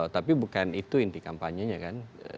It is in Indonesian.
tapi bukan itu inti kampanye nya kan